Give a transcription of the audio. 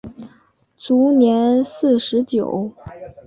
卒年四十九。